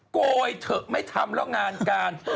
โกยเถอะไม่ทำแล้วงานการ